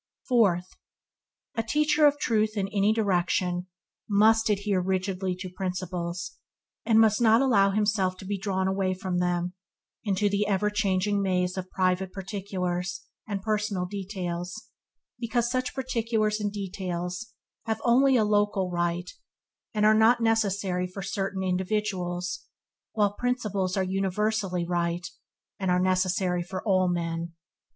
Fourth. A teacher of truth in any direction must adhere rigidly to principles, and must not allow himself to be drawn away from them into the ever changing maze of private particulars and personal details, because such particulars and details have only a local right, and are only necessary for certain individuals, while principles are universally right and are necessary for all men.